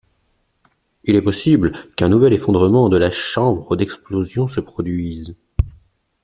Il est possible qu’un nouvel effondrement de la chambre d'explosion se produise.